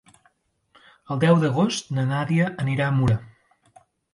El deu d'agost na Nàdia anirà a Mura.